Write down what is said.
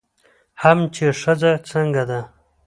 هم چې ښځه څنګه ده